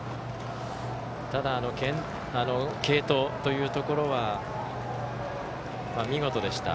ただ、継投というところは見事でした。